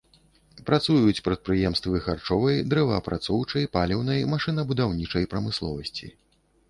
Працуюць прадпрыемствы харчовай, дрэваапрацоўчай, паліўнай, машынабудаўнічай прамысловасці.